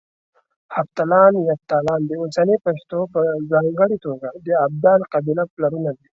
هفتلان، يفتالان د اوسني پښتنو په ځانګړه توګه د ابدال قبيله پلرونه دي